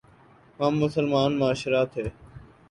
ہم مسلمان معاشرہ تھے۔